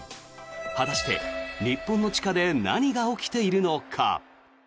果たして、日本の地下で何が起きているのか。